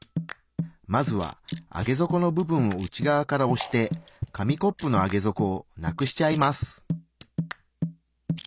まずは上げ底の部分を内側からおして紙コップの上げ底をなくしちゃいます。